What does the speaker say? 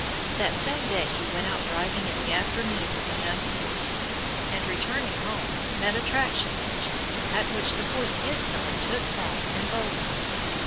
That same day he went out driving in the afternoon with a young horse, and returning home met a traction engine, at which the horse instantly took fright and bolted.